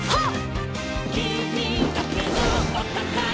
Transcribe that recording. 「きみだけのおたからつかめ！」